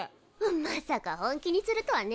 まさか本気にするとはね。